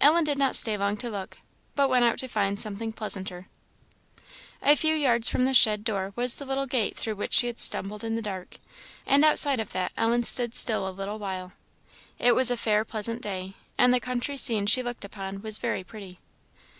Ellen did not stay long to look, but went out to find something pleasanter. A few yards from the shed door was the little gate through which she had stumbled in the dark, and outside of that Ellen stood still a while. It was a fair, pleasant day, and the country scene she looked upon was very pretty.